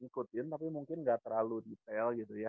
ngikutin tapi mungkin nggak terlalu detail gitu ya